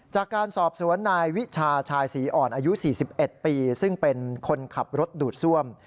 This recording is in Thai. จากการสอบสวนนายวิชาชายศรีอ่อนอายุ๔๑ปีซึ่งเป็นคนขับรถดูดซ่วม